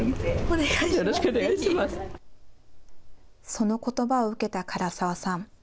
そのことばを受けた柄沢さん。